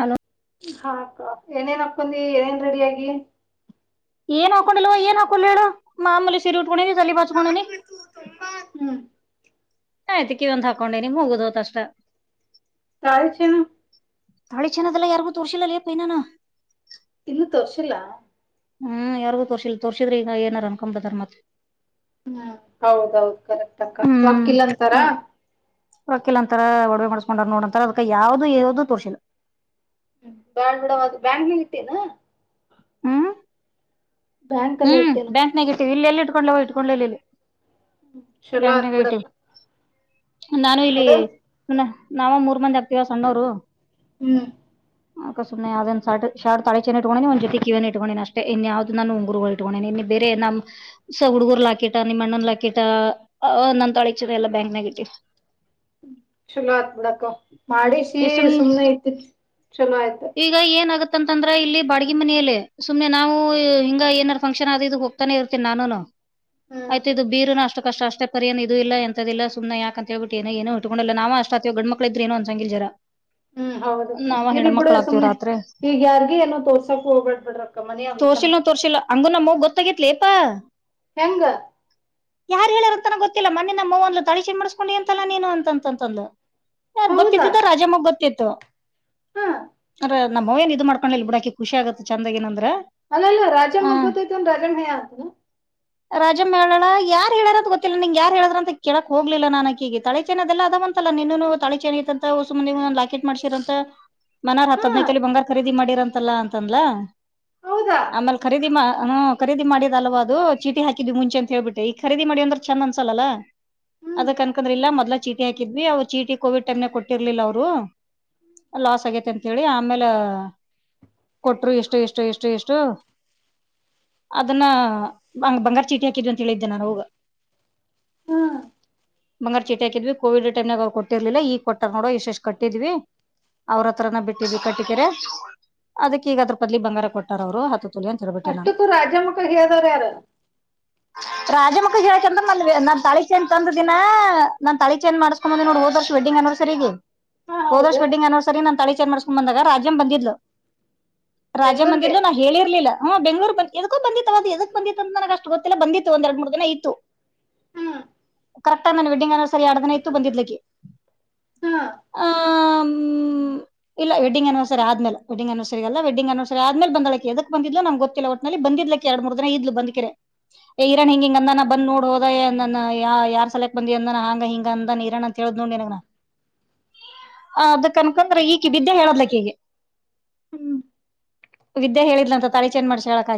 Hello. ಹಾಕ್ಕ ಏನೇನ್ ಹಾಕೊಂಡಿ ಏನೇನ್ ರೆಡಿ ಆಗಿ. ಏನ್ ಹಾಕೊಂಡಿಲ್ವ ಏನ್ ಹಾಕ್ಕೊಳ್ಳಿ ಹೇಳು ಮಾಮೂಲಿ ಸಿರಿ ಉಟ್ಕೊಂಡಿನಿ ತಲಿ ಬಾಚ್ಕೊಂಡಿನಿ. ತುಂಬಾ ಹ್ಮ್ಮ್. ಅದಕ ಇದ ಒಂದ ಹಾಕೊಂಡೆನಿ ಮುಗಿದ ಹೋತ ಅಷ್ಟ. ತಾಳಿ ಚೈನ್. ತಾಳೆ ಚೆನ್ನದಲ್ಲ ಯಾರಿಗೂ ತೋರ್ರಿಸಿಲ್ಲೆ ಎಪ್ಪ ಇನ್ನ ನಾ. ಇನ್ನು ತೋರ್ಸಿಲ್ಲ. ಹ್ಮ್ ಯಾರ್ರಿಗು ತೋಸಿರ್ಲ್ಲ ತೋರ್ಸ್ರ ಈಗ ಏನಾರ ಅನ್ಕೊ ಬಿಡ್ತಾರ್ ಮತ್ತ. ಹ್ಮ್ ಹೌದೌದು ಕರೆಕ್ಟ್ ಅಕ ರೋಕ್ಕಿಲ್ಲ ಅಂತಾರ. ರೊಕ್ಕಲ ಅಂತರ ಒಡವೆ ಮಾಡ್ಸ್ಕೊಂಡ್ ನೋಡಂತ ಅದಕ ಯಾವದ ಯಾವದು ತೋರಿಸಿಲ್ಲ. ಹ್ಮ್ ಬ್ಯಾಡ ಬಿಡವಾ ಅದು ಬ್ಯಾಂಕ ಗಿಂಗ್ ಇಟ್ಟಿ ಏನು. ಹಾ. ಬ್ಯಾಂಕ್ ಅಲ್ಲೇ ಹ್ಮ್ ಇಟ್ಟೇನ ಬ್ಯಾಂಕ್ನ್ಯಾಗ ಇಟ್ಟೀವಿ ಇಲ್ಲಿ ಎಲ್ಲಿ ಇಟ್ಟುಕೊಳ್ಳಿ ಹೋಗ ಇಟ್ಕೊಂಡಲ್ಲಿ ಇಲ್ಲಿ. ಹ್ಮ್ ಚಲೋ ಬ್ಯಾಂಕ್ನಾಗ ಆತ್ಬಿಡಕ್ಕ. ಇಟ್ಟಿವಿ ನಾನು ಇಲ್ಲಿ ನಾವ ಮೂರ್ ಮಂದಿ ಆಗ್ತಿವ ಸಣ್ಣವರು. ಹ್ಮ್. ಅ ಸುಮ್ಮನೆ ಒಂದ ಶಾರ್ಟ್ ಶಾರ್ಟ್ ತಾಳಿ ಚೈನ್ ಇಟ್ಕೊಂಡಿ ಒಂದ ಜೊಕೀ ಕಿವ್ಯಾಗಿನ್ನು ಇಟ್ಕೊಂಡಿ ಅಷ್ಟೇ ಇನ್ ಯಾವ್ದ ನಾನು. ಗುರುಗಳ ಇಟ್ಕೊಂಡಣನೆ ಇನ್ನು ಬೇರೆ ನಮ್ಮ. ಸಗುಡ್ಡುಗುರು ಲಾಕಿಟ ನಿಮ್ಮಣ್ಣನ್ ಲಾಕಿಟ ನಂದ ತಳಿ ಚನ ಎಲ್ಲ ಬ್ಯಾಂಕ್ನ್ಯಾಗ ಇಟ್ಟೆವ. ಚಲೋ ಆತ್ ಬಿಡಕ್ಕಾ ಮಾಡಿ ಸಿ ಈ ಸುಮ್ ಸುಮ್ನೆ ಇತಿತ್ ಚಲೋ ಆಯ್ತ ಈಗ ಏನ್ ಆಗತ್ತಂತಂದ್ರ ಇಲ್ಲಿ ಬಾಡಗಿ ಮನೆಯಲ್ಲಿ ಸುಮ್ನೆ ನಾವು ಹಿಂಗ ಏನಾದಾರ ಫಂಕ್ಷನ್ ಆದಿದು ಹೋಗ- ತಾನೆ ಇರ್ತೀನಿ ನಾನುನು ಹ್ಮ್ ಆಯ್ತು ಇದು ಬೀರುನು ಅಷ್ಟು ಕಷ್ಟ ಅಷ್ಟೇ ಪರಿನ್ ಇಲ್ಲ ಎಂತದಿಲ್ಲ ಸುಮ್ನೆ ಯಾಕ ಅಂತೇಳ ಬಿಟ್ಟ ಏ ಏನು ಇಟ್ಟುಕೊಂಡಿಲ್ಲಾ ನಾವ ಅಷ್ಟ ಅತಿವ ಗಂಡ ಮಕ್ಕಳ ಇದ್ರ ಏನು ಅನಸಾಗಿಲ್ ಜರಾ. ಹ್ಮ್ ಹೌದ ಅಕ್ಕ ನಾವ ಇರ್ಲಿ ಬಿಡು. ಹೆಣ್ಮಕ್ಳ ಆಗ್ತಿವಿ ಸುಮ್ನೆ ರಾತ್ರಿ ಈಗ ಯಾರ್ಗೂ ಏನೋ ತೋರ್ಸಕ್ ಹೋಗಬಾಡ್ರ ಬಿಡ್ರಕ್ಕ ಮನಿ ಅಗ್ತುನಾ. ತೋರಸಿಲ್ಲ ಅಂದ್ರು ನಮ್ಮ ಅವ್ವಗ ಗೊತ್ತಾಗತ್ಲಿಪ್ಪಾ ಹೆಂಗ ಯಾರ್ ಹೇಳಾರಂತನ ಗೊತ್ತಿಲ್ಲಾ ಮೋನಿ ನಮ್ಮ ಅವ್ವ ಅಂದ್ಲು ತಾಳಿ ಚೈನ ಮಾಡಸ್ಕೊಂಡು ಎಂತಲ್ಲಾ ನೀನು ಅಂತಂತ ಅಂದ್ಲ ಯಾರು ಹೌದಾ ಗೊತ್ತಿದ್ದಿದ್ದ ರಾಜಮ್ಮಗ್ ಗೊತ್ತಿತ್ತು. ಹಾ ಅ್ರ ನಮ್ಮ ಅವ್ವ ಏನ್ ಇದು ಮಾಡ್ಕೊಂಡಿಲ್ ಬಿಡ ಆಕಿ ಖುಷಿ ಆಗೆತ ಬೀಡ ಚೆಂದ ಆಗೇನಂದ್ರ ಅಲ್ಲಲ್ಲಾ ರಾಜಮ್ಮಗ ಗೊತ್ತಾಯ್ತಂದ ರಾಜಮ್ಮ ಹೆಳಾಳ ಹ ರಾಜಮ್ಮ ಹೆಳಾಳ ಯಾರು ಹೇಳಾರ ಗೊತ್ತಿಲ್ಲ ನಿಂಗ ಯಾರ್ ಹೇಳಿದ್ರ ಅಂತ ಕೇಳಾಕ್ ಹೋಗ್ಲಿಲ್ಲ ನಾನ ಅಕಾಗಿ ಹೀಗ ತಾಳಿಚೈನದೆಲ್ಲ ಅದಾವ ಅಂತ ಅಲ್ಲಾ ನಿನ್ನನು ತಾಳಿ ಚೈನ್ ಐತಿ ಅಂತ ಒಸು ಮಂದಿಗಿ ಲಾಕೆಟ್ ಮಾಡಸಿರ ಅಂತಾ ಮುನ್ನಾರ್ ಹತ್ ಹಾ ಹದ್ನೈದು ತೋಲಿ ಬಂಗಾರ ಖರೀದಿ ಮಾಡಿರಂತಲ್ಲಾ ಅಂತಂದಲಾ ಹೌದಾ ಆಮೇಲೆ ಖರೀದಿ ಮಾಡಿ ಹುಂ ಖರೀದಿ ಮಾಡಿದ ಅಲವಾ ಅದು ಚೀಟಿ ಹಾಕಿದ್ ಮುಂಚೆ ಅಂತೇಳ್ಬಿಟ್ಟ ಈ ಖರೀದಿ ಅಂದ್ರ ಚೆಂದ ಅನ್ಸಲ್ಲಲ್ಲಾ ಹ್ಮ್ ಅದಕ್ ಅನ್ಕಂದ್ರ ಇ ಮೊದಲ ಚೀಟಿ ಹಾಕಿದ್ವಿ ಅವ್ ಚೀಟಿ ಕೋವಿಡ್ ಟೈಮನ ನ ಕೊಟ್ಟರ್ಲಿಲ್ಲ ಅವರು. ಲಾಸ್ ಆಗೆತ್ ಯಂತೇಳಿ ಆಮೇಲೆ ಕೊಟ್ರು ಇಷ್ಟು ಇಷ್ಟು ಇಷ್ಟು ಇಷ್ಟು ಅದನ್ನ ಬಂಗ ಬಂಗಾರ್ ಚೀಟಿ ಹಾಕಿದ್ರು ಅಂತ ಹೇಳಿದ್ದೆ ನಾನು ಅವ್ವಗ ಹ್ಮ್ ಬಂಗಾರ ಚೀಟ ಹಾಕಿದ್ವಿ ಕೋವಿಡ್ ಟೈಮನಾಗ್ರು ಕೊಟ್ಟರ್ಲಿಲ್ಲ ಈ ಕೊಟ್ಟಾರ ನೋಡ ಇಷ್ಟಿಷ್ಟು ಕಟ್ಟಿದ್ವಿ. ಅವ್ರ ಹತ್ರನ ಬಿಟ್ಟಿದ್ವಿ ಕಟ್ಟಿಕರೆ ಅದಕ್ಕೆ ಈಗ ಅದ್ರ ಬದಲಿ ಬಂಗಾರ ಕೊಟ್ಟಾರ ಅವರು ಹತ್ತು ತೊಲಿ ಅಂತ ಹೇಳಿಬಿಟ್ಟೆ ನಾನು ಅಷ್ಟಕ್ಕೂ ರಾಜಮ್ಮಕ್ಕ ಹೇಳ್ದವ್ರ ಯಾರ ರಾಜಮಕ್ಕಗ ಹೇಳಕಂದ್ರೆ ನ ನನ್ ತಾಳಿ ಚೈನ್ ತಂದ ದಿನ ನಾನ್ ತಾಳಿ ಚೈನ್ ಮಾಡಸು- ಹೋದ ನೋಡ ಹೋದ ವರ್ಷ ವೆಂಡಿಂಗ್ ಯಾನವರ್ಸರಿಗೆ ಹಾ ಹೋದ ವರ್ಷ ಹೌದು ವೆಡ್ಡಿಂಗ್ ಅನಿವರ್ಸರಿ ನನ್ನ ತಾಳಿ ಚೈನ ಮಾಡ್ಕೊಂಡು ಬಂದಾಗ ರಾಜ್ಯಂ ಬಂದಿದ್ಲು ರಾಜಂ ಬೆಂಗ್ಳೂರ್ಗೆ ಬಂದಿದ್ಲು ಹೇಳಿರ್ಲಿಲ್ಲ ಹಾ ಬೆಂಗ್ಳೂರ್ ಬಂದಿ ಅವಾಗ ಎದಕೋ ಬಂದಿ ಅಂತ ನನ್ನಗ ಅಷ್ಟ ಗೊತ್ತಿಲ್ಲಾ ಬಂದಿತ್ತು ಒಂದ ಎರಡು ಮೂರು ದಿನ ಇತ್ತು [inaudible] ಹ್ಮ್ ಕರೆಕ್ಟ್ ಆಗಿ ನಾನು ವಡ್ಡಿಂಗ್ ಅನಿವರ್ಸರಿ ಎರಡು ದನ ಇತ್ತು ಬಂದಿದ್ಲಿ ಅಕ್ಕಿ ಹಾ ಆ ಇಲ್ಲ ವಡ್ಡಿಂಗ್ನಿವರ್ಸರಿ ಆದೇಲೆ ವೆಡ್ಡಿಂಗ್ ಆನಿವರ್ಸರಿ ಅಲ್ಲಾ ವೆಡ್ಡಿಂಗ್ ಆನಿವರ್ಸರಿ ಆದೇಲೆ ಬಂದಿದಳ ಆಕ್ಕಿ ಎದಕ್ ಬಂದಿದ್ಲು ನನಗ ಗೊತ್ತಿಲ್ಲಾ. ಅ ಬಂದಿದಲ್ ಆಕ್ಕಿ ಎರಡ್ ಮೂರ್ ದಿನ ಇದ್ಲು ಬಂದಕೆರೆ ಈರಣ್ಣ ಹಿಂಗ ಹಿಂಗ ಅಂದಾನ ಬಂದ ನೋಡ್ ಹೋದ ಅಂದನ್ ಯ ಯಾರ್ ಸಲಕ್ ಬಂದಿ ಅಂದನಾ ಹಂಗ ಹಿಂಗ ಅಂದನ್ ಈರಣ್ಣ ಹೇಳಿದ್ ನೋಡ ನಾ ಅದಕ್ಕ ಅನಕೋಂಡರ ಈ ವಿದ್ಯಾ ಹೇಳಿದ್ಲ ಅಕ್ಕಿಗೀ ಹ್ಮ್ ವಿದ್ಯಾ ಹೇಳಿದಂತ ತಾಳಿ ಚೈನ್ ಮಾಡ್ಸಳ ಅಕ್ಕಾ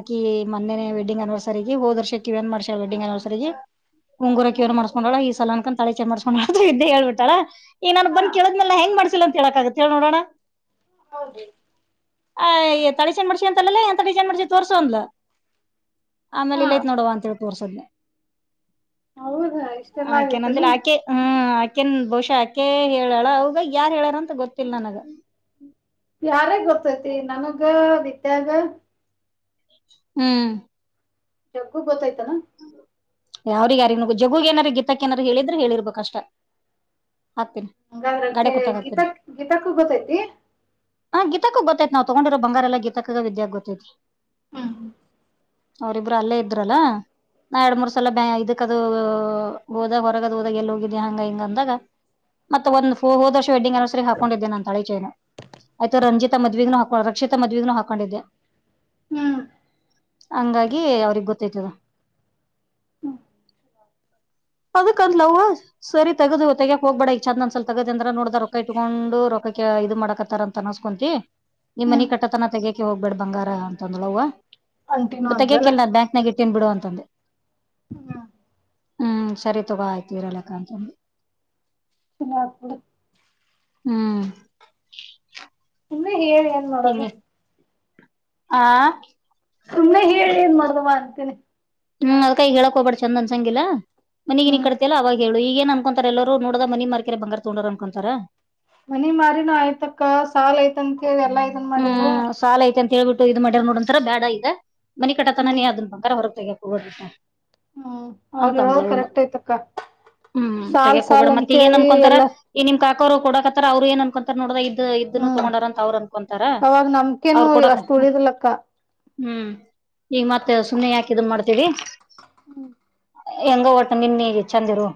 ಮೊನೆ ವೆಡ್ಡಿಂಗ್ ಅನಿವರ್ಸರಿಗೆ ಹೋದ ವರ್ಷ ಕಿವ್ಯಾನು ಮಾಡ್ಸಳ ವೆಡ್ಡಿಂಗ್ ಅನಿವರ್ಸರಿಗಿ ಉಂಗುರಕ ಇವ್ ಮಾಡಸ್ಕೊಂಡಳ ಈ ಸಲ ಅನ್ಕು ತಾ ಚೈನ್ ಮಾಡಿಸಿಕೊಂಡಾಳ ಅಂತ ವಿದ್ಯಾ ಹೇಳ್ಬಿಟ್ಟಾಳ್ ಈಗ ನನ್ ಹಾ ಬಂದ ಕೇಳಿದ್ಮಲೆ ಹೆಂಗ ಮಾಡ್ಸಿಲ್ಲ ಅಂತ ಹೇಳಕ್ಕಾಗುತ್ತ ಹೇಳ ನೋಡೋಣ. ಹೌದು ಎ ತಾಳಿ ಚೈನ್ ಮಾಡ್ಸಿ ಅಂತಲ್ಲೇ ಎಂತಾ ಡಿಸೈನ್ ಮಾಡಿಸಿ ತೋಸೂ ಅಂದ್ಲ. ಆಮೇಲೆ ಹಾ ಇಲ್ಲೈಐತ್ ನೋಡುವಾ ಅಂತೇಳಿ ತೋರ್ಸದ್ನಿ. ಹೌದಾ ಇಷ್ಟೆಲ್ಲಾ ಆಗೇತನ ಆಕೆನಂದಿಲಾ ಆಕಿ ಹ್ಮ ಆಕೆನ್ ಬಹುಶಃ ಆಕೆ ಹೇಳಾಳ ಅವ್ವಗ ಯಾರ್ ಹೇಳಾರ ಅಂತ ಗೊತ್ತಿಲ್ಲ ನನಗ. ಯಾರಗೊತ್ತತಿ ನನಗ ವಿದ್ಯಾಗ. ಹ್ಮ್. ಜಗ್ಗುಗ ಗೊತ್ತೈತೇನ. ಅವ್ರಿಗ್ ಯಾರಿಗ ಜಗ್ಗುಗ ಏನರ ಗೀತಕ್ಕ ಏನರ ಹೇಳಿದ್ರ ಹೇಳಿರ್ಬೇಕ ಅಷ್ಟ. ಹಾಕ್ತಿನ. ಹಂಗಾದ್ರಕ್ಕೆ ಗೀತಕ್ ಗೀತಕ್ಕಗ ಗೊತ್ತೈತಿ. ಹಾ ಗೀತಕ್ಕಗ ಗೊತ್ತೈತಿ ನಾವ ತಗೊಂಡಿರೋ ಬಂಗಾರ ಎಲ್ಲ ಗೀತಕ್ಕಗ ವಿದ್ಯಾಗ ಗೊತ್ತೈತಿ. ಹ್ಮ ಹ. ಅವರಿಬ್ರು ಅಲ್ಲೇ ಇದ್ರಲ್ಲಾ. ನಾ ಯಾಡ್ ಮೂರ ಸಲ ಬ್ಯಾ ಇದಕ್ಕ ಅದು ಹೋದಾಗ ಹೊರಗದು ಹೋದಾಗ ಎಲ್ಲಿ ಹೋಗಿದ್ದಿ ಹಂಗ ಹಿಂಗ ಅಂದಾಗ. ಮತ್ತ ಒಂದ ಹೊ ಹೋದವರ್ಷ ವೆಡ್ಡಿಂಗ್ ಆನಿವರ್ಸರಿಗ ಹಾಕೊಂಡಿದ್ದೆ ನಾನ ತಾಳಿಚೈನ್. ಆಯ್ತು ರಂಜಿತ ಮದ್ವಿಗನು ಹಾಕೊ ರಕ್ಷಿತಾ ಮದ್ವಿಗನು ಹಾಕೊಂಡಿದ್ದ. ಹ್ಮ್ ಹಂಗಾಗಿ ಅವರಿಗ ಗೊತೈತದ. ಅದು ಕಂದ್ಲವ್ವ. ಸರಿ ತಗದು ತಗ್ಯಾಕ್ ಹೋಗ್ಬೇಡ ಈಗ ಚಂದನಸಲ ತಗದೆಂದ್ರ ನೋಡದ ರೊಕ್ಕ ಇಟ್ಕೊಂಡು ರೊಕ್ಕಕ್ಕೆ ಇದು ಮಾಡಕತ್ತಾರ ಅ ತನಸ್ಕೊಂತಿ ನಿಮ್ ಮನಿ ಹ್ಮ್ ಕಟ್ಟತನ ತಗಯಕೆ ಹೋಗ್ಬೇಡ್ ಬಂಗಾರ ಅಂತಂದ್ಳ ಅವ್ವ. ಅಂಟಿನೂ ಅಂದ್ಲಲ್ಲ ತಗಿಯಕ್ಕೆಲ್ಲ ನಾನ ಬ್ಯಾಂಕ್ನಾಗ ಇಟ್ಟಿನ್ ಬಿಡು ಅಂತಂದೆ. ಹ್ಮ. ಹ್ಮ್ ಸರಿ ತಗೋ ಆಯ್ತ ಇರಲ್ಲಕ ಅಂತಂದಿ. ಚಲೋ ಆತ ಬಿಡ್. ಹ್ಮ್. ಸುಮ್ಮ ಹೇಳಿ ಏನ್ ಮಾಡೋದು. ಹಿಂಗೆ ಆ. ಸುಮ್ಮ್ ಹೇಳಿ ಏನ್ ಮಾಡೋದವಾ ಅಂತಿನಿ. ಹ್ಮ ಅದ್ಕ ಈಗ ಹೇಳಾಕ ಹೋಗ್ಬೇಡ ಚಂದ ಅನಸಂಗಿಲ್ಲ ಮನಿ ಗಿನಿ ಹ್ಮ್ ಕಟ್ಟತಿ ಅಲಾ ಅವಾಗ ಹೇಳ್. ಈಗೇನ ಅನ್ಕೊಂತರ ಎಲ್ಲರು ನೋಡದ ಮನಿ ಮಾರಿ ಬಂಗಾರ ತಗೊಂಡಾರ ಅನ್ಕೊಂತಾರ. ಮನಿ ಮಾರಿನೂ ಆಯ್ತಕ್ಕ ಸಾಲ ಐತೆಂತ ಹೇಳಿ ಎಲ್ಲಾ ಇದನ್ ಮಾಡಿದ್ರ. ಹ್ಮ್ ಸಾಲ ಐತಾಂತ ಹೇಳಿ ಬಿಟ್ಟು ಇದು ಮಾಡ್ಯಾರ ನೋಡ್ ಅಂತಾರ ಬ್ಯಾಡ ಈಗ ಮನಿ ಕಟ್ಟ ತನ ಹ್ಮ್ ನಿ ಅದ್ ಬಂಗಾರ ಹೊರಗ ತಗಿಬ್ಯಾಡ್. ಹ್ಮ್ ಅವ್ರ ಅಂತ ಅಂದ್ಲ ಹೇಳೋದು ಅವ್ವನು ಕರೆಕ್ಟ್ ಐತಕ್ಕ ಹ್ಮ್ ಸಾಲ್ ತಗಿಯಕ್ ಹೋಗ್ಬೇಡ ಸಾಲ್ ಮತ್ತ ಈಗ ಏನ್ ಅಂತೇಳಿ ಅನ್ಕೊಂತಾರ. ಎಲ್ಲ ಈ ನಿಮ್ ಕಾಕಾರು ಕೊಡಕತ್ತಾರ ಅವ್ರು ಏನನ್ಕಂತರ ನೋಡದ ಇದ್ದ ಇದ್ದನ್ನು ಹ್ಮ್ ತಗೊಂಡಾರ ಅಂತ ಅವ್ರ ಅನ್ಕ ಅವಾಗ ನಮ್ಕೇನು ಅಷ್ಟ ಉಳಿದಿಲಕ್ಕ. ಹ್ಮ್ ಈಗ ಮತ್ತ ಸುಮ್ಮನೆ ಯಾಕ ಇದನ ಮಾಡ್ತೀರಿ. ಹ್ಮ್. ಹೆಂಗೊ ಒಟ್ಟ ನಿನ್ನ ನಿ ಚಂದಿರು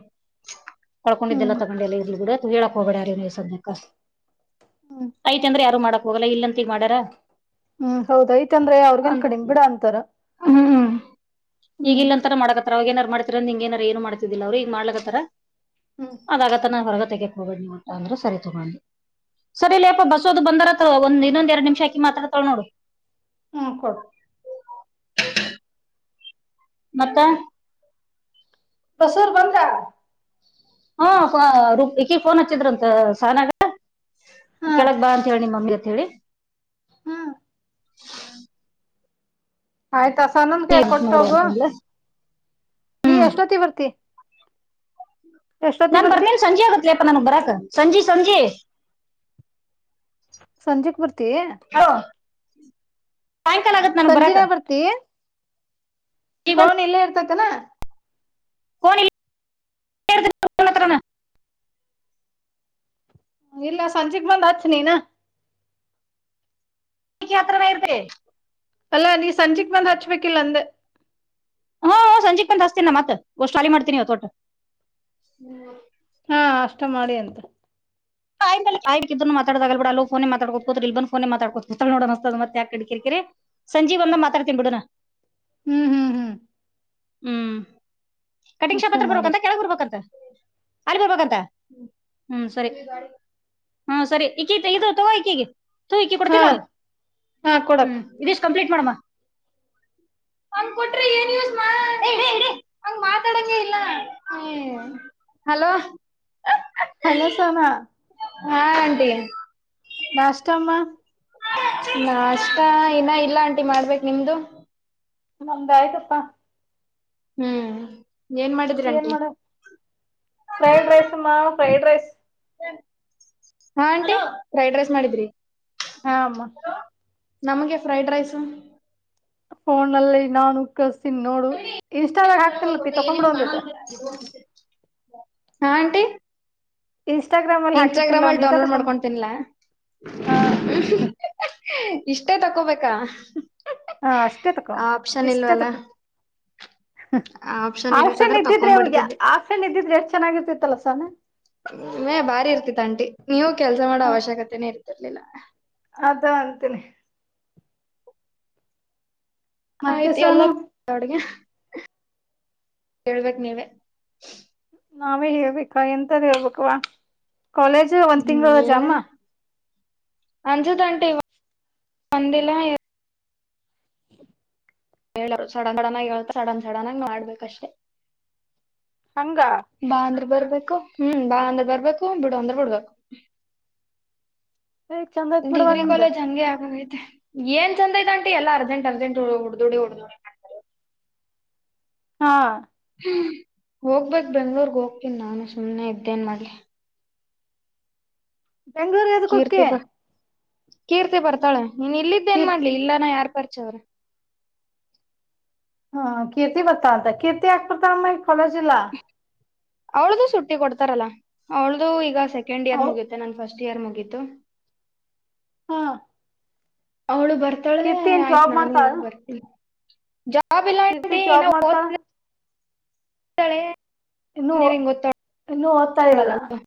ಹ್ಮ್ ಕಳ್ಕೊಂಡಿದ್ದೆಲ್ಲ ತಗೊಂಡೆಲ್ಲ ಇರ್ಲಿ ಬಿಡು. ಹೇಳಕ್ ಹೋಗಬೇಡಾ ಯಾರಿಗೂ ಈಗ ಸುಮ್ನೆಕ ಹ್ಮ್ ಐತಂದ್ರ ಯಾರು ಮಾಡಕ್ ಹೋಗಲ್ಲ ಇಲ್ಲಂತಿಗ ಮಾಡ್ಯಾರ. ಹ್ಮ್ ಹೌದ ಐತಂದ್ರ ಎ ಅವ್ರಗೇನ್ ಅಂ ಕಡಿಮ್ ಬಿಡ ಅಂತಾರ. ಹ್ಮ್ ಹ್ಮ್ ಈಗಿಲ್ಲಾಂತರ ಮಾಡಕತ್ತಾರ ಅವಾಗ ಏನರ ಮಾಡ್ ದ್ರ ನಿಂಗ್ ಏನರ ಏನು ಮಾಡ್ತಿದಿಲ್ಲ ಅವರು ಈಗ್ ಮಾಡ್ಲಕ್ಕತ್ತಾರ ಹ್ಮ್ ಅದ್ ಆಗತ್. ತನ ಹೊರಗತೆಗೆಕ್ ಹೋಗಬೇಡ್ ಅಂದ್ರ ಸರಿ ತಗೊ ಅನ್ನಿ ಸರಿ ಲೆಪಾ ಬಸು ಅದು ಬಂದರ. ಒಂದ ಇನ್ನಂದ ಎಡ ನಿಮಿಷಾ ಆಕಿ ಮಾತಡ್ಕಳ್ ನೋಡ. ಹ್ಮ್ ಕೊಡ. ಮತ್ತ. ಬಸುರ ಬಂದ್ರಾ. ಹ್ಮು ರು ಇಕಿಗ್ ಫೋನ್ ಹಚ್ಚಿದ್ರಂತ ಸನಾಗ. ಹಾ ಕೆಳಗ್ ಬಾ ಅಂತ ಹೇಳಿ ನಿಮ್ಮ ಮಮ್ಮಿಗ ಅಂತ ಹೇಳಿ. ಹ್ಮ್ ಆಯ್ತಾಪ್ಪಾ ತನುವು ಕೈಯಾಗ ನೋಡು ಕೊಟ್ಟೋಗು. ಅಂತಂದ್ಲ ನಿ ಎಷ್ಟೋತ್ತಿಗೆ ಬರ್ತಿ? ಎಷ್ಟೊತ್ತಿ ನಾನ್ ಬರ್ತಿ ಬರ್ತೇನೆ ಸಂಜೆ ಆಗತ್ಲೇಪ್ಪಾ ನನ್ಗ್ ಬರಾಕ್ ಸಂಜೆ ಸಂಜೆ ಸಂಜೆಕಿ ಬರ್ತೇನ ಹ ಸಾಯಕಾಲ ಆಗೆ [unintelligible] ಸಂಜೀಲೆ ಬರ್ತಿ. ಈಗ ಫೋನ್ ಇಲ್ಲೇ ಇರ್ತೈತನಾ ಕನಣ [unintelligible] ಇಲ್ಲ ಸಂಜಿಕೆ ಬಂದ್ ಹಚ್ ನೀನಾ ಅತ್ರ ಬೇರುದ [unintelligible] ಅಲ್ಲಾ ನೀ ಸಂಜಿಕ್ ಬಂದ್ ಹಚ್ಬೇಕಿಲ್ಲಾ ಅಂದೆ. ಹ್ಮ್, ಹ ಸಂಜೀಕ್ ಬಂದಾಸ್ತಿನಿ ಮತ್ ಹೊಷ್ಟ ಖಾಲಿ ಮಾಡ್ತೀನಿ ಪುಟ್ಟಾ. ಹಾ, ಅಷ್ಟ ಮಾಡಿ ಅಂತ ಆ ಮಾತಡಾಗ ಬಿಡ ಅ ಫೋನೆ ಮಾತಾಕ ಹ ಇ ಬ ೋನ ಮಾತಾಡ್ೋತ ನೋತ ಮತ್ತ ಯಾಕ ಕಿರಿಕರಿ [unintelligible] ಸಂಜೀಕಬಂದಾಗ ಮಾತಾಡ್ತೀನಿ ಬಿಡು ನಾ ಹ್ಮ್, ಹ್ಮ್, ಹ್ಮ್ ಹ್ಮ್, ಕಟಿಂಗ್ ಶಾಪ ಅಷ್ಟ ಹತ್ರ ಬರ್ಂತ ಮಾಡಕ್ ಕೆಳಗ್ ಬರ್ಬೇಕಂತ. ಅಲ್ಲಿ ಬರ್ಬೇಕಂತ ಹ್ಮ್, ಸರಿ ಹ್ಮ್ ಸರಿ ಈ ಇ ತಗೋ ಈಕೀಗ. ತಗೋ ಇಕಿಗಿ ಕೊಡ್ತ ಹಾ ನೋಡು ಹಾ ಕೊಡಕ್ ಹ್ಮ್ ಇದಷ್ಟ ಕಂಪ್ಲೀಟ್ ಮಾಡಂ [unintelligible] ದಟ್ರಿ ಹಂಗ ಮಾತಾಡಂಗೆ ಇಲ್ಲಾ ಅಲೋ, ಸೋನಾ ಹಾ, ಆಂಟಿ ನಾಷ್ಟಮ್ಮ. ನಾಷ್ಟ ಇನ್ನಾ ಇಲ್ಲ ಆಂಟಿ ಮಾಡ್ಬೇಕ್ ನಿಮ್ದು. ನಮ್ಮಂದಾಯ್ತಪ್ಪಾ ಹ್ಮ್, ಏನ್ ಮಾಡ [unintelligible] ಏನ್ ಮಾಡ ಫ್ರೈಡ್ ರೈಸ್ ಮಾ ಫ್ರೈಡ್ ರೈಸ್ ಹಾ, ಆಂಟಿ ಫ್ರೈಡ್ ರೈಸ್ ಮಾಡಿದ್ರಿ- ಹಾಮ್ಮಾ ನಮಗೆ ಫ್ರೈಡ್ ರೈಸು ಫೋನ್ ನಲ್ಲಿ ನಾನು ಕಳ್ಸ್ತೀನಿ ನೋಡು ಇನ್ಸ್ಟಾದಾಗ ಹಾಕ್ತೀನಿಲ್ಲ ತೊಕೊಂಡ್ ಬಿಡ್ ಒಂದಿಟ. ಹಾ, ಆಂಟಿ ಇನ್ಸ್ಟಾಗ್ರಾಮ್ ಅಲ್ಲಿ ಇನ್ಸ್ಟಾಗ್ರಾಮ ಹಾಕಿರ್ತನಲ್ಲ ಅಲ್ಲಿ ಒಂದ್ ಈಟ ಡೌನ್ಲೋಡ್ ತಕೊಂಡ್ಬಿಡು ಮಾಡ್ಕೊಂಡತಿನ್ಲಾ ಹಾ ಇಷ್ಟೇ ತಕೋಬೇಕಾ ಹಾ, ಅಷ್ಟೇ ತಕೋ ಆ ಆಪ್ಷನ್ ಇದಿಷ್ಟ ಇಲ್ವಲ್ಲ ತಕೊ ಆ ಆಪ್ಷನ್ ಆಪ್ಷ್ಸನ್ ಇದಿತ್ತಂದ್ರೆ ಇದ್ದಿದ್ರೆ ಅವ್ರಿಗೆ ತಕೊಂಡ್ಬಿಡ್ತಿದ್ದೆ ಆಪ್ಸನ್ನಿದ್ದಿದ್ರೆ ಎಷ್ಟ ಚೆನ್ನಾಗಿರ್ತಿತ್ತಲ್ಲ ಸಾನು. ಏಯ್ ಬಾರಿ ಇರ್ತಿತ್ ಅಂಟಿ ನೀವು ಕೆಲ್ಸ ಮಾಡೋ ಅವಶ್ಯಕತೆನೇ ಇರ್ತಿರ್ಲಿಲ್ಲಾ. ಅದಾಅಂತನಿ. ಮತ್ತೆ ಆಯ್ತು ಸೋನು ಎಲ್ಲಡ್ಗೆ ಹೇಳ್ಬೇಕ ನೀವೇ ನಾವೇ ಹೇಳ್ಬೇಕಾ ಎಂತ್ದ್ ಹೇಳ್ಬೇಕವಾ ಕಾಲೇಜ್ ಒಂದ್ ಹ್ಮ್, ತಿಂಗಳ ರಜಾಮ್ಮ ಏನೇನಅಂಜದಂಟೆ [unintelligible] ಬಂದಿಲ್ಲ ಹೇಳರು ಸಡನ್ ಸಡನ್ ಆಗಿ ಹೇತ ಸಡನ್ ಸಡನ್ ಆಗಿ ಮಾಡ್ಬೇಕಷ್ಟೇ. ಹಂಗ ಬಾ ಅಂದ್ರ ಬರ್ಬೇಕು ಹ್ಮ್ ಬಾ ಅಂದ್ರ ಬರ್ಬೇಕು ಬಿಡು ಅಂದ್ರೆ ಬಿಡ್ಬೇಕು ಏ ಚಂದ ಐತ್ ಬಿಡವಾ ಡಿಗ್ರಿ ನಿಮ್ದ ಕಾಲೇಜ್ ಹಂಗೆ ಆಗೋಗೈತೆ ಏನ್ ಚಂದದಐತೆಂಟಿ ಎಲ್ಲ ಅರ್ಜೆಂಟ್ ಅರ್ಜೆಂಟ್ ಉಡ್ದಡಿ ಹೊಡ್ದುಡಿ ಹಾ ಹೋಗ್ಬೇಕ್ ಬೆಂಗ್ಳೂರ್ಗ್ ಹೋಗ್ತೀನ್ ನಾನು ಸುಮ್ನೆ ಇದ್ದೇನ್ ಮಾಡ್ಲಿ ಬೆಂಗ್ಲೋರ್ ಕೀರ್ತಿ ಬ ಕೀರ್ತಿ ಬರ್ತಾಳೆ ನೀನ್ ಇಲ್ಲಿದ್ದೇನ್ ಕೀರ್ ಮಾಡ್ಲಿ ಇಲ್ಲಾನ ಯಾರ್ ಪರಿಚ ಅವ್ರ ಹಾ ಕೀರ್ತಿ ಬರ್ತಾಳ್ ಅಂತ ಕೀರ್ತಿ ಯಾಕ್ಬಾರ್ತಾರಮ್ಮ ಕಾಲೇಜಿಲ್ಲಾ ಅವಳ್ದು ಸುಟ್ಟಿ ಕೊಡ್ತಾರಲ್ಲ ಅವಳ್ದು ಈಗ ಸೆಕೆಂಡ್ ಇಯರ್ ಹೌ ಮುಗಿಯುತ್ ಮ ನನ್ ಫಸ್ಟ್ ಇಯರ್ ಮುಗೀತು ಹಾ ಅವಳು ಬರ್ತಾಳೆ ಕೀರ್ತಿ ಏನ್ ಆಯ್ತು ಜಾಬ್ ನಾನು ಹೋಗ್ ಮಾಡ್ತಾಳ ಬರ್ತೀನಿ ಜಾಬ್ ಇಲ್ಲ ಕೀರ್ತಿ ಅಂಟಿ [unintelligible] ಜಾಬ್ ನ ಮಾಡ್ತಾಳ ತಳೆ ಇನ್ನುೂ ಇನ್ನುೂ ಓದ್ತಾ ಓದ್ತಾಳಲ್ಲ ಇದಾಳ ಅವಳು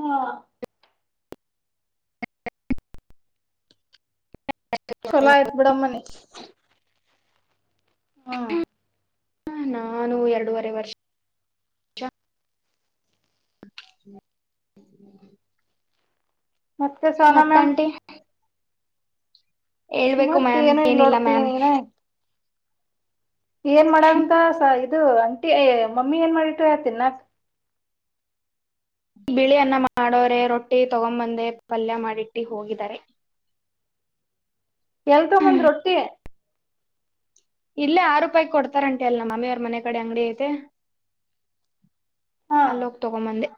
ಹಾ ಚಲೋ ಆಯ್ತ್ ಬಿಡಮ್ಮನೆ ಹಾ ಹ ನಾನು ಎರಡೂವರೆ ವರ್ಷ [inaudible] ಮತ್ತೆ ಸೋನಾ ಮ್ಯಾಮ್ ಮತ್ತಂಟಿ ಹೇಳ್ಬೇಕು ಮ್ಯಾಮ್ ಮತ್ತೇಏನೋ ಏನಿಲ್ಲ ಇಲ್ಲೊಡಪ ಮ್ಯಾಮ್ ನೀನ ಏನ್ ಮಾಡಕ್ಂತ ಸ ಇದು ಅಂಟಿ ಮಮ್ಮಿ ಏನ್ ಮಾಡಿಟ್ಟು ಯ ತಿನ್ಕ್ ಬಿಳಿಯನ್ನ ಮಾಡೋರೆ ರೊಟ್ಟಿ ತಗೊಂಬಂದೆ ಪಲ್ಯ ಮಾಡಿಟ್ಟಿ ಹೋಗಿದ್ದಾರೆ ಎಲ್ತಗೋಬಂದೆ ರೊಟ್ಟಿ ಇಲ್ಲೇ ಆರು ರೂಪಾಯಿ ಕೊಡ್ತಾರಾಂಟಿ ಅಲ್ ಮಮ್ಮಿ ಅವ್ರ್ ಕಡೆ ಅಂಗಡಿ ಐತೆ ಹಾ ಅಲ್ಲೋಗ್ ತಗೋಬಂದೆ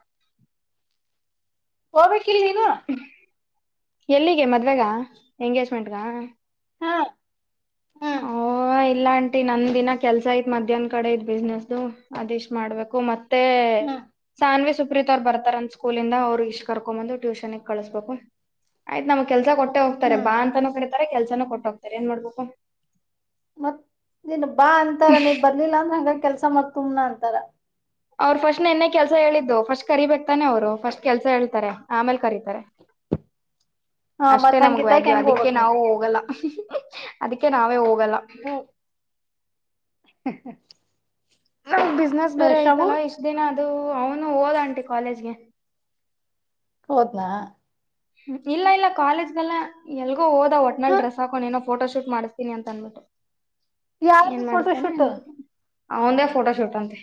ಹೋಗಬೇಕಿಲ್ ನೀನು ಎಲ್ಲಿಗೆ ಮದ್ವೆಗ ಎಂಗೇಜ್ಮೆಂಟ್ಗ ಹಾ ಹ್ಮ್ ಹಹ ಇಲ್ಲ ಆಂಟಿ ನಂದ್ ದಿನ ಕೆಲ್ಸ ಐತ್ ಮಧ್ಯಾಹ್ನ ಕಡೆ ಇದ್ ಬಿಸ್ನೆಸ್ ದು ಇಷ್ಟ್ ಮಾಡ್ಬೇಕು ಮತ್ ತ್ತೆ ಹ್ಮ್ ಸಾನ್ವಿ ಸುಪ್ರೀತ ಅವ್ರು ಬರ್ತಾರಂತ್ ಸ್ಕೂಲಿಂದ ಅವ್ರು ಇಷ್ಟ್ ಕರ್ಕೊ ಬಂದು ಟ್ಯೂಷನ್ಗ್ ಕಳಸ್ಬೇಕು ಆಯ್ತ್ ನಮ್ ಕೆಲ್ಸ ಕೊಟ್ಟೆ ಹೋಗ್ತಾರೆ ಹ್ಮ್ ಬಾ ಅಂತಾನೂ ಕಡಿತಾರೆ ಕೆಲ್ಸಾನು ಕೊಟ್ ಹೋಗ್ತಾರೆ ಏನ್ ಮಾಡ್ಬೇಕು ಮತ್ತ್ ನೀನ್ ಬಾ ಅಂತಾರ ನೀನ್ ಬರ್ಲಿಲ್ಲ ಅಂದ್ರ ಹಂಗ ಕೆಲ್ಸ ಮಾಡ ನಂತರ ಸುಮ್ ನಂತರ ಅವ್ರು ಫಸ್ಟ್ ನಿನ್ನೆ ಕೆಲ್ಸ ಹೇಳಿದ್ದು ಫಸ್ಟ್ ಕರಿಬೇಕ್ತಾನೆ ಅವರು ಫಸ್ಟ್ ಕೆಲ್ಸ ಹೇಳ್ತಾರೆ ಆಮೇಲೆ ಕರೀತಾರೆ ಹ [inaudible] ಅಷ್ಟೇ ಮತ್ ನಮಗ್ ಹಂಗಿದ್ದಾಗ ವ್ಯಾಲ್ಯೂ ಹೆಂಗ್ ಅದಿಕ್ಕೆ ಹೋಗ್ಬಕ್ ನೀನ್ ನಾವು ಹೋಗಲ್ಲ ಅದಕ್ಕೆ ನಾವೇ ಹೋಗಲ್ಲ ಹ ನಮ್ ಬಿಸ್ನೆಸ್ ಬೇರೆ ಶಬು ಐತಲ್ಲಾ ಇಷ್ಟು ದಿನ ಅದು ಅವನು ಓದ ಆಂಟಿ ಕಾಲೇಜ್ಗೆ ಹೋದ್ನಾ ಹ್ಮ ಇಲ್ಲ ಇಲ್ಲ ಕಾಲೇಜ್ಗೆಲ್ಲ ಎಲ್ಲಿಗೋ ಹೋದ ಹ ಒಟ್ನಲ್ಲಿ ಡ್ರೆಸ್ ಹಾಕೊಂಡು ಏನೋ ಫೋಟೋಶೂಟ್ ಮಾಡಿಸ್ತೀನಿ ಅಂತ ಏನ್ ಯಾರದು ಫೋಟೋ ಮಾಡಿಸ್ತಾನ ಶೂಟ್ ಏನ್ ಮಾಡ್ತಾನ ಅವಂದೇ ಫೋಟೋ ಶೂಟ್ ಅಂತೆ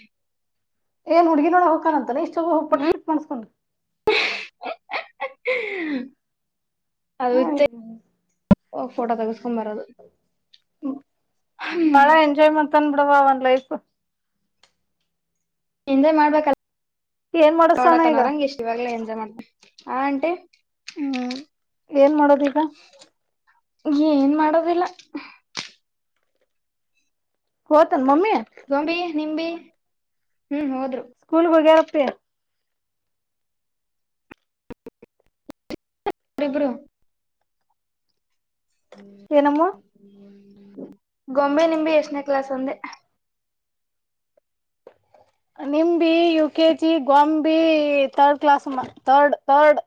ಏ ಹುಡುಗಿ ನೋಡಹಕಾ ಅಂತನೆ ಇಷ್ಟ ಹೋಗಬಟ್ಟು [unintelligible] ಹ್ಮ್ ಶಿ್ಟ ಮಾಡಸ್ಕೊಂಡು ಅದುತ್ತ ಫೋಟೋ ತಗ್ಸ್ಕೊಂಡ್ ಬರದು ಬಾಳ ತನ್ ಬಿಡವ ಒಂದ್ ಲೈಫ್. ಎಂಜಾಯ್ ಮಾಡ್ಬೇಕಲ್ಲ ಏನ್ ಮಾಡಸಾನ ಈಗ ನೋಡಕನೋರಂಗ ಇಷ್ಟ್ ಇವಾಗ್ಲೇ ಎಂಜಾಯ್ ಮಾಡ್ಬೇಕ ಆ ಅಂಟಿ. ಹ್ಮ್ ಏನ್ ಮಾಡೋದ ಈಗ. ಏನ್ ಮಾಡೋದಿಲ್ಲ. ಹೋತನ್ ಮಮ್ಮಿ. ಗೊಂಬಿ ನಿಂಬಿ ಹ್ಮ್ ಹೋದ್ರು. ಸ್ಕೂಲ್ ಹೋಗರೇಅಪ್ಪಿ. ರಿಬರು. ಏನ ಅಮೋ. ಗೊಂಬೆ ನಿಂಬೆ ಎಷ್ಟನೇ ಕ್ಲಾಸ್ ಅಂದೆ. ನಿಂಬಿ ಯು ಕೆಜಿ ಗೊಂಬಿ ತರ್ಡ್ ಕ್ಲಾಸ್ ಮರ್ಡ್ ತರ್ಡ್.